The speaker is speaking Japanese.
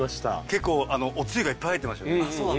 結構おつゆがいっぱい入ってましたね。